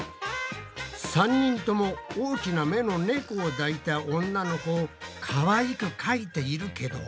３人とも大きな目の猫を抱いた女の子をかわいくかいているけど。